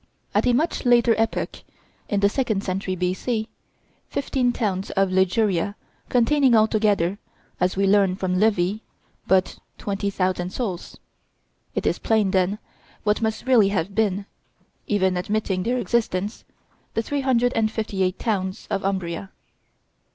At a much later epoch, in the second century B.C., fifteen towns of Liguria contained altogether, as we learn from Livy, but twenty thousand souls. It is plain, then, what must really have been even admitting their existence the three hundred and fifty eight towns of Umbria.